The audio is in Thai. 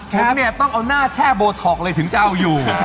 ผมเนี่ยต้องเอาหน้าแช่โบท็อกเลยถึงจะเอาอยู่